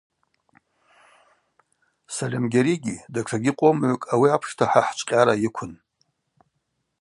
Сальымгьаригьи датшагьи къомыгӏвкӏ ауи апшта хӏа хӏчвкъьара йыквын.